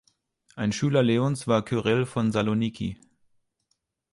Ein Schüler Leons war Kyrill von Saloniki.